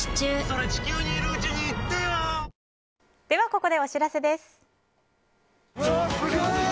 ここでお知らせです。